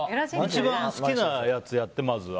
一番好きなやつやって、まずは。